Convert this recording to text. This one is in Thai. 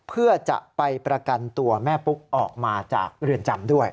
เพื่อจะไปประกันตัวแม่ปุ๊กออกมาจากเรือนจำด้วย